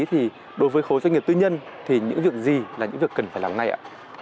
thì đối với khối doanh nghiệp tư nhân thì những việc gì là những việc cần phải làm ngay ạ